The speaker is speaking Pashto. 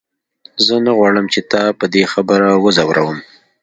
زه نه غواړم چې تا په دې خبره وځوروم.